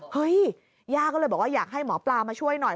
ย่าก็เลยบอกว่าอยากให้หมอปลามาช่วยหน่อย